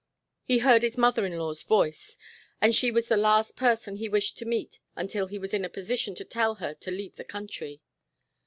He heard his mother in law's voice and she was the last person he wished to meet until he was in a position to tell her to leave the country.